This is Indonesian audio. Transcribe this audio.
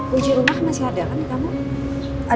wujud rumah masih ada kan di kamar